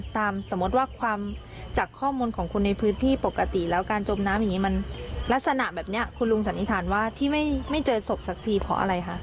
สมมุติว่าความจากข้อมูลของคนในพื้นที่ปกติแล้วการจมน้ำอย่างนี้มันลักษณะแบบนี้คุณลุงสันนิษฐานว่าที่ไม่เจอศพสักทีเพราะอะไรคะ